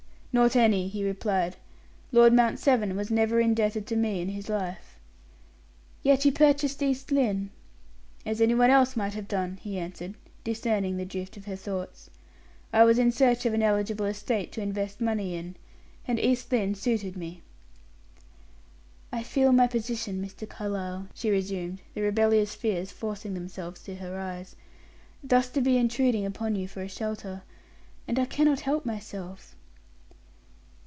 "Not any," he replied. "Lord Mount Severn was never indebted to me in his life." "Yet you purchased East Lynne?" "As any one else might have done," he answered, discerning the drift of her thoughts. "I was in search of an eligible estate to invest money in, and East Lynne suited me." "I feel my position, Mr. Carlyle," she resumed, the rebellious tears forcing themselves to her eyes; "thus to be intruding upon you for a shelter. And I cannot help myself."